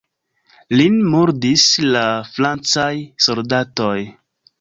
Lin murdis la francaj soldatoj.